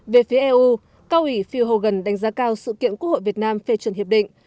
về phía eu cao ủy phil hogan đánh giá cao sự kiện quốc hội việt nam phê chuẩn hiệp định